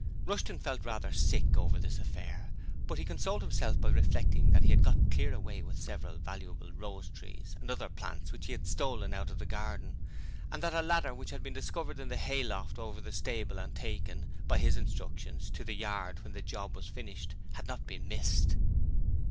Rushton felt rather sick over this affair, but he consoled himself by reflecting that he had got clear away with several valuable rose trees and other plants which he had stolen out of the garden, and that a ladder which had been discovered in the hayloft over the stable and taken by his instructions to the 'yard' when the 'job' was finished had not been missed.